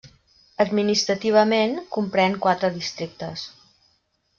Administrativament, comprèn quatre districtes.